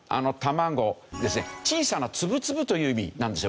「小さな粒々」という意味なんですよ